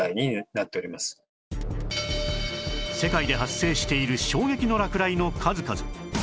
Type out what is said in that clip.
世界で発生している衝撃の落雷の数々